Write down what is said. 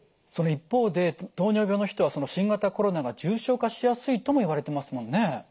その一方で糖尿病の人はその新型コロナが重症化しやすいともいわれてますもんね。